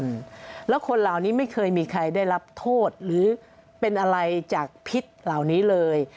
อืมแล้วคนเหล่านี้ไม่เคยมีใครได้รับโทษหรือเป็นอะไรจากพิษเหล่านี้เลย